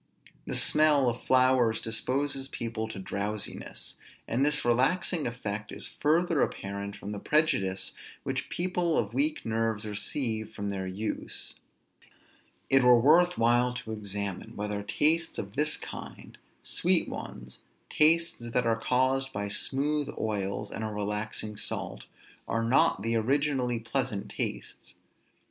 The smell of flowers disposes people to drowsiness; and this relaxing effect is further apparent from the prejudice which people of weak nerves receive from their use. It were worth while to examine, whether tastes of this kind, sweet ones, tastes that are caused by smooth oils and a relaxing salt, are not the originally pleasant tastes.